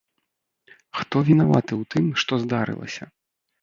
Хто вінаваты ў тым, што здарылася?